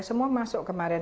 semua masuk kemarin